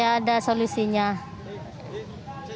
harus ada sosialisasi yang masif ya